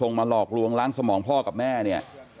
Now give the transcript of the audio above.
ส่งมาหลอกลวงร้านสมองพ่อกับแม่นี่